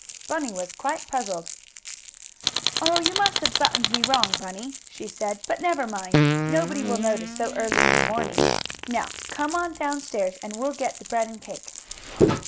Bunny was quite puzzled. "Oh, you must have buttoned me wrong, Bunny," Sue said. "But never mind. Nobody will notice so early in the morning. Now come on down stairs, and we'll get the bread and cake."